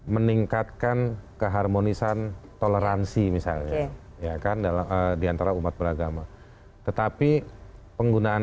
meningkatkan keharmonisan toleransi misalnya ya kan dalam diantara umat beragama tetapi penggunaan